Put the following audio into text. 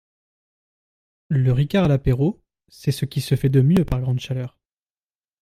Le ricard à l'apéro c'est ce qui se fait de mieux par grande chaleur